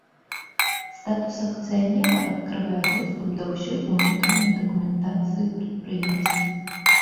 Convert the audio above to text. Статус акцыянера адкрывае доступ да ўсёй унутранай дакументацыі прадпрыемства.